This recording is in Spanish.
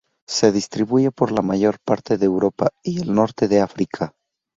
Se distribuye por la mayor parte de Europa y el norte de África.